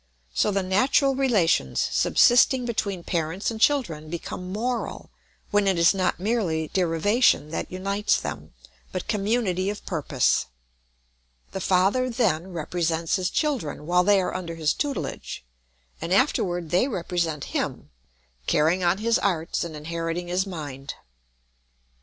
So the natural relations subsisting between parents and children become moral when it is not merely derivation that unites them, but community of purpose. The father then represents his children while they are under his tutelage, and afterward they represent him, carrying on his arts and inheriting his mind.